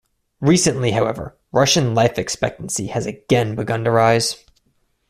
Recently however, Russian life expectancy has again begun to rise.